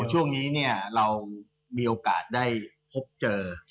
โอ้โหช่วงนี้เนี่ยเรามีโอกาสได้พบเจอ